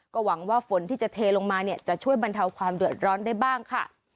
ก็หวังว่าฝนที่จะเทลงมาเนี่ยจะช่วยบรรเทาความเดือดร้อนได้บ้างค่ะ